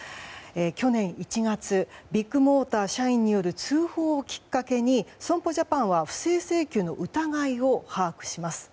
去年１月ビッグモーター社員による通報をきっかけに損保ジャパンは不正請求の疑いを把握します。